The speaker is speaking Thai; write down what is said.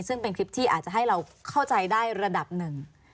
ซึ่งเป็นคลิปที่อาจจะให้เราเข้าใจได้ระดับหนึ่ง